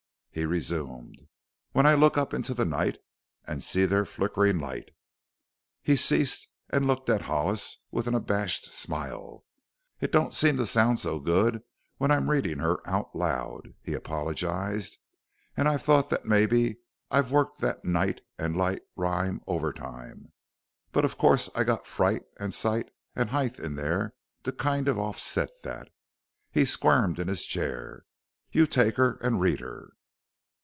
He resumed: When I look up into the night, An' see their flickerin' light. He ceased and looked at Hollis with an abashed smile. "It don't seem to sound so good when I'm readin' her out loud," he apologized. "An' I've thought that mebbe I've worked that 'night' an' 'light' rhyme over time. But of course I've got 'fright' an' 'sight' an' 'height' in there to kind of off set that." He squirmed in his chair. "You take her an' read her."